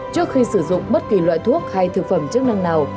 trước khi sử dụng bất kỳ loại thuốc hay thực phẩm chức năng nào